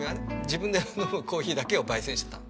自分で飲むコーヒーだけを焙煎してた。